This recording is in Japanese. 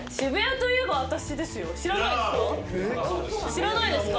知らないですか？